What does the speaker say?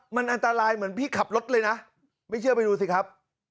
มันอันตรายเหมือนพี่ขับรถเลยนะไม่เชื่อไปดูสิครับ